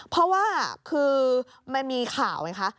เพราะว่าคือมันมีข่าวไงคะ